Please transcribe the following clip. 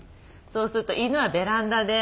そうすると犬はベランダで。